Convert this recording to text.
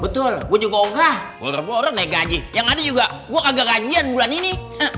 betul gue juga okah ultra pro orang naik gaji yang ada juga gue kagak kajian bulan ini